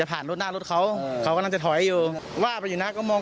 จะผ่านรถหน้ารถเขาเขากำลังจะถอยว่าไปอยู่แล้วก็มอง